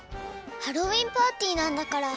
ハロウィーンパーティーなんだから。